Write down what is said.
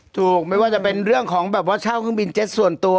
ถูกไม่ว่าจะเป็นเรื่องว่าเช้าปินเจสส่วนตัว